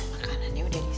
makanannya udah disiapin